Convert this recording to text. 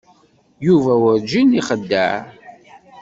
Yuba werǧin ixeddeɛ.